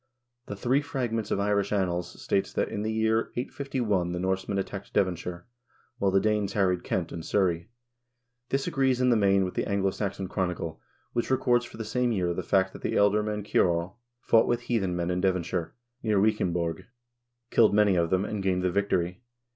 The " Three Fragments of Irish Annals" states that in the year 851 the Norsemen attacked Devonshire, while the Danes harried Kent and Surrey. This agrees in the main with the "Anglo Saxon Chronicle," which records for the same year the fact that the ealdorman Ceorl fought with heathen men in Devonshire, near Wicgeanbeorge, killed many of them, and gained the victory.